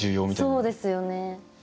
そうですよね。